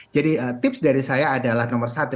jadi tips dari saya adalah nomor satu